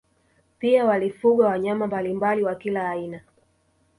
Pia walifugwa wanyama mbalimbali na wa kila aina